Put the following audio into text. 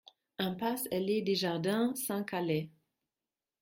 Impasse Hellé-Desjardins, Saint-Calais